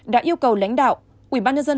đã yêu cầu lãnh đạo ủy ban nhân dân